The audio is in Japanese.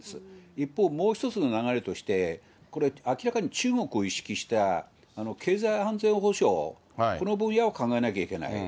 一方、もう一つの流れとして、これ、明らかに中国を意識した経済安全保障、この分野を考えなきゃいけない。